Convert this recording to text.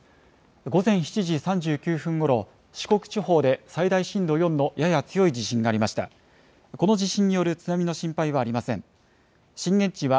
午前７時３９分ごろ、四国地方で最大震度４のやや強い地震がありました。